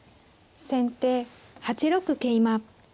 先手８六桂馬。